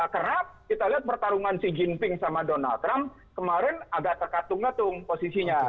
karena kita lihat pertarungan xi jinping sama donald trump kemarin agak terkatung katung posisinya